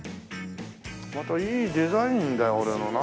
またいいデザインだよ俺のな。